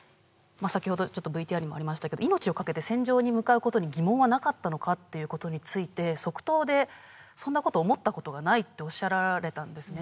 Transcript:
先ほどちょっとＶＴＲにもありましたけど命をかけて戦場に向かうことに疑問はなかったのか？ということについて即答でそんなこと思ったことがないっておっしゃられたんですね